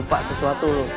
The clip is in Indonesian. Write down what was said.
lupa sesuatu lo